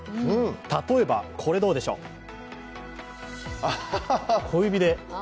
例えば、これどうでしょう、小指で。